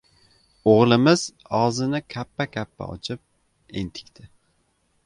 O‘g‘limiz og‘zini kappa-kappa ochib entikdi.